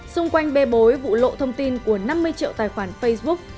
xung quanh bê bối lộ thông tin của năm mươi triệu tài khoản facebook